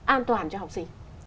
an toàn cho học sinh